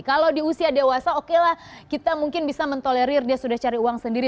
kalau di usia dewasa okelah kita mungkin bisa mentolerir dia sudah cari uang sendiri